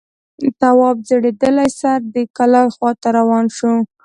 تواب ځړېدلی سر د کلا خواته روان شو.